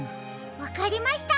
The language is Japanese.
わかりました！